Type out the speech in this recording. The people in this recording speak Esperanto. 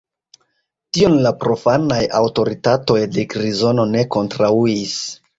Tion la profanaj aŭtoritatoj de Grizono ne kontraŭis.